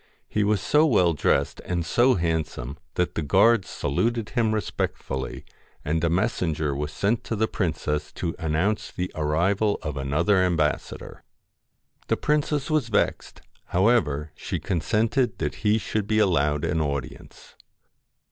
He was so well dressed and so handsome, that the guards saluted him respectfully, and a messenger was sent to the princess to announce the arrival of another ambassador. The princess was vexed ; however she consented that he should be allowed an audience.